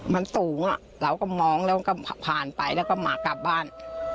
มันสูงเราก็มองแล้วก็ผ่านไปแล้วก็หมากลับบ้าน